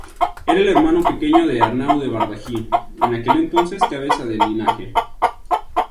Era el hermano pequeño de Arnau de Bardají, en aquel entonces cabeza del linaje.